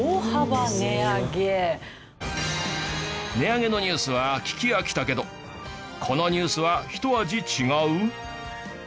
値上げのニュースは聞き飽きたけどこのニュースはひと味違う！？